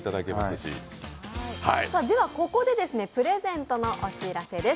ここでプレゼントのお知らせです。